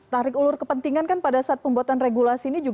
tarik ulur kepentingan kan pada saat pembuatan regulasi ini juga